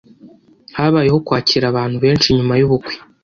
Habayeho kwakira abantu benshi nyuma yubukwe